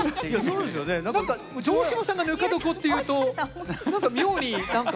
城島さんが「ぬか床」って言うと妙に何か。